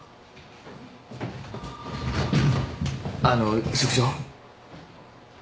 あの職長。